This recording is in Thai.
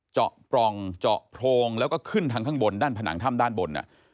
เจาะปล่องเจาะโพรงแล้วก็ขึ้นทางข้างบนด้านผนังถ้ำด้านบน